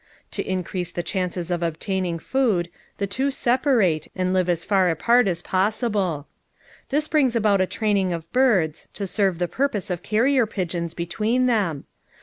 To increase the chances of obtaining food, the two separate, and live as far apart as possible. This brings about a training of birds, to serve the purpose of carrier pigeons between them.